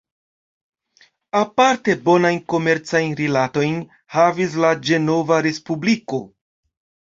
Aparte bonajn komercajn rilatojn havis la Ĝenova Respubliko.